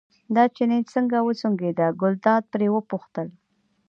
دا چيني څنګه وسونګېد، ګلداد پرې وپوښتل.